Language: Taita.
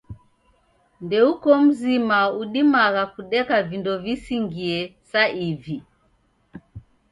Ndeuko mzima udimagha kudeka vindo visingie sa ivi.